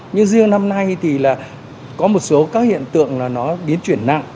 nhưng riêng năm nay thì là có một số các hiện tượng là nó biến chuyển nặng